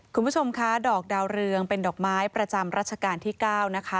คุณผู้ชมคะดอกดาวเรืองเป็นดอกไม้ประจำรัชกาลที่๙นะคะ